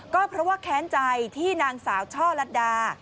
ก็เพราะว่าแค้นใจที่นางสาวช่อลัดดา